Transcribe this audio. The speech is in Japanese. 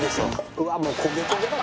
うわっもう焦げ焦げだ